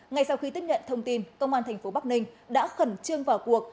ngay sau khi tiếp nhận thông tin công an thành phố bắc ninh đã khẩn trương vào cuộc